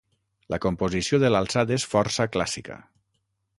La composició de l'alçat és força clàssica.